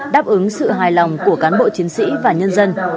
đáp ứng sự hài lòng của cán bộ chiến sĩ và nhân dân